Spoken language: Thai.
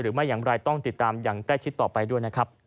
หรือไม่อย่างไรต้องติดตามอย่างใกล้ชิดต่อไปด้วยนะครับ